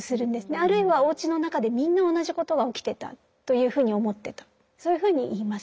あるいはおうちの中でみんな同じことが起きてたというふうに思ってたそういうふうに言います。